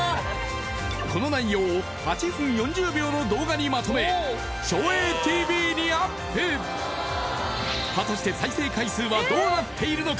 この内容を８分４０秒の動画にまとめ照英ＴＶにアップ果たして再生回数はどうなっているのか